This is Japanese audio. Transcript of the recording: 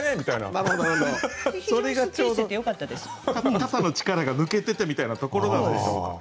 肩の力が抜けててみたいなところなんでしょうか。